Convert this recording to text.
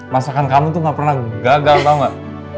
masakan kamu tuh ga pernah gagal tau gak